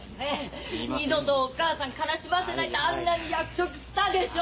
二度とお母さん悲しませないってあんなに約束したでしょ！？